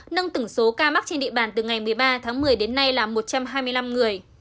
nâng tổng số ca mắc trên địa bàn từ ngày một mươi ba tháng một mươi đến nay là một trăm hai mươi năm người